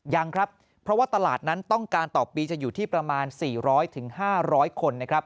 ยังครับเพราะว่าตลาดนั้นต้องการต่อปีจะอยู่ที่ประมาณ๔๐๐๕๐๐คนนะครับ